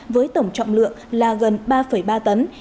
với tổng trọng lượng là gần ba ba tấn